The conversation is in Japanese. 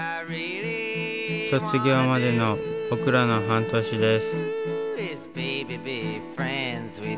卒業までの僕らの半年です。